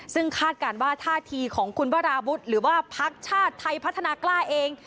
ซึ่งคาดการณ์ว่าท่าทีของคุณวราวุฒิหรือว่าพักชาติไทยพัฒนากล้าเอง